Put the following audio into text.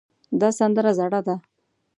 دا سندره زړه ده